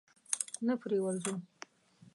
نه پرې ورځو؟